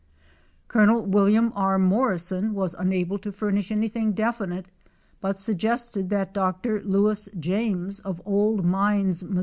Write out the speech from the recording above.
Col. Wm. R. Morrison was unable to furnish anything definite, but suggested that Dr. Lewis James, of Old Mines, Mo.